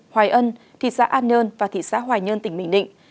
hoài ân thị xã an nhơn và thị xã hoài nhơn tỉnh bình định